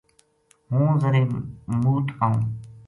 ہوں ذرے مُوت آئوں